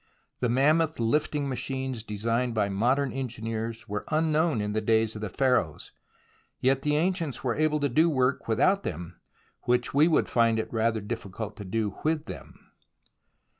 The mammoth hfting machines designed by modern engineers were un known in the days of the Pharaohs, yet the ancients were able to do work without them which we would find it rather difficult to do with them.